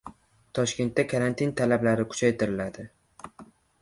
Toshkentda karantin talablari kuchaytiriladi